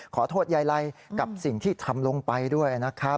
ขอโทษยายไลกับสิ่งที่ทำลงไปด้วยนะครับ